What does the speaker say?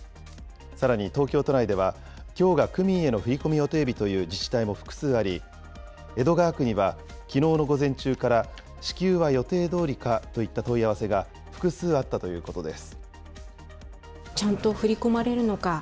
さらに東京都内では、きょうが区民への振り込み予定日という自治体も複数あり、江戸川区には、きのうの午前中から支給は予定どおりかといった問い合わせが複数あったということです。